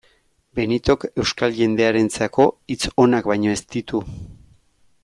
Benitok euskal jendearentzako hitz onak baino ez ditu.